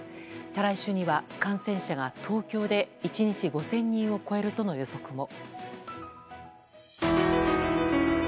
再来週には感染者が東京で１日５０００人を超えるとの予測も。